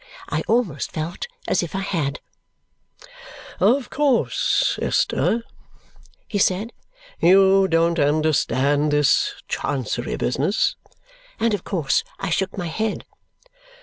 I almost felt as if I had. "Of course, Esther," he said, "you don't understand this Chancery business?" And of course I shook my head.